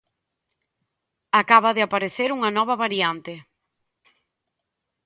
Acaba de aparecer unha nova variante.